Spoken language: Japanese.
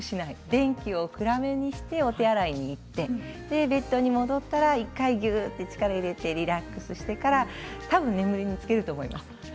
電気を暗くしてお手洗いに行って戻ったら一度、力を入れてリラックスしてから多分、眠りにつけると思います。